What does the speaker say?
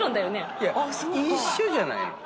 いや一緒じゃないの？